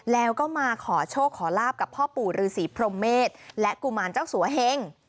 แล้วก็มาขอโชคขอลาบกับพ่อปู่ฤษีพรมเมษและกุมารเจ้าสัวเฮง